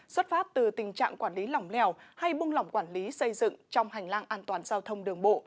xuất phát từ tình trạng quản lý lỏng lèo hay bung lỏng quản lý xây dựng trong hành lang an toàn giao thông đường bộ